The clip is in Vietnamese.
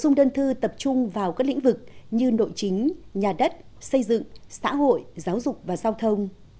không đơn thư tập trung vào các lĩnh vực như nội chính nhà đất xây dựng xã hội giáo dục và giao thông